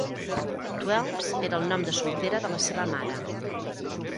Twelves era el nom de soltera de la seva mare.